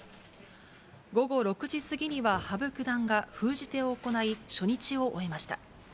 午後６時過ぎには羽生九段が封じ手を行い、初日を終えました。